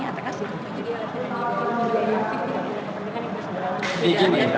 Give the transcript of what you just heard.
jadi makanya kita tidak ada kepentingan itu